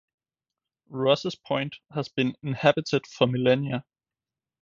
Rosses Point has been inhabited for millennia.